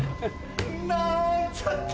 なんちゃって。